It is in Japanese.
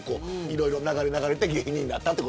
いろいろ流れ流れて芸人になった。